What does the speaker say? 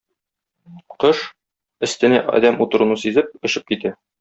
Кош, өстенә адәм утыруны сизеп, очып китә.